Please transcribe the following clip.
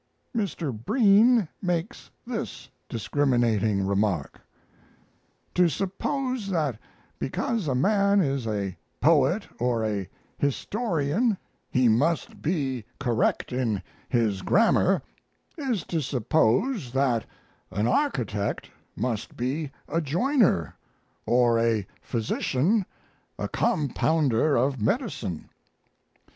Mr. Breen makes this discriminating remark: "To suppose that because a man is a poet or a historian he must be correct in his grammar is to suppose that an architect must be a joiner, or a physician a compounder of medicine."